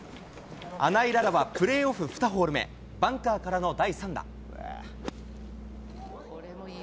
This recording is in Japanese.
穴井詩は、プレーオフ２ホール目、バンカーからの第３打。